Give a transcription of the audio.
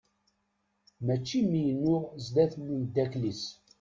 Mačči mi yennuɣ sdat n umddakel-is.